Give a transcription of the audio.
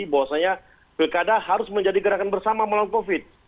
bahwasannya pilkada harus menjadi gerakan bersama melawan covid sembilan belas